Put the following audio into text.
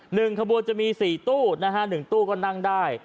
หนึ่งขบวนจะมีสี่ตู้นะฮะหนึ่งตู้ก็นั่งได้